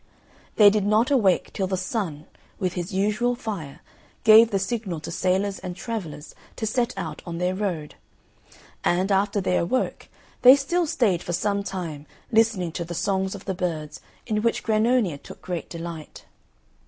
They did not awake till the Sun, with his usual fire, gave the signal to sailors and travellers to set out on their road; and, after they awoke, they still stayed for some time listening to the songs of the birds, in which Grannonia took great delight.